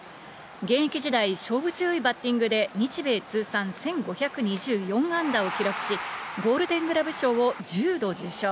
現役時代、勝負強いバッティングで日米通算１５２４安打を記録し、ゴールデングラブ賞を１０度受賞。